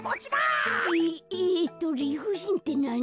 ええっと「りふじん」ってなに？